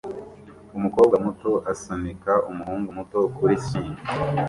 umukobwa muto asunika umuhungu muto kuri swing